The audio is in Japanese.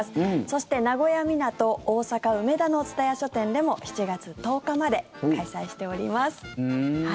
そして、名古屋みなと大阪・梅田の蔦屋書店でも７月１０日まで開催しております。